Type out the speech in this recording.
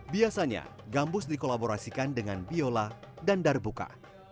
biasanya gambus dikolaborasikan dengan biola dan darbuka